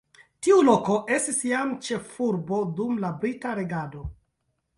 Tiu loko estis jam ĉefurbo dum la brita regado.